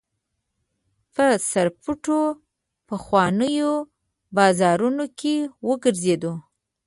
په سرپټو پخوانیو بازارونو کې وګرځېدو.